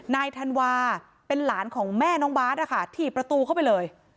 นายธันวาเป็นหลานของแม่น้องบาทนะคะถี่ประตูเข้าไปเลย